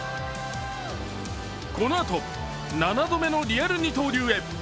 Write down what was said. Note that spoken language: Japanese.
このあと７度目のリアル二刀流へ。